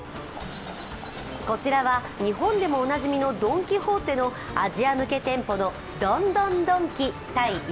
こちらは日本でもおなじみのドン・キホーテのアジア向け店舗のＤＯＮＤＯＮＤＯＮＫＩ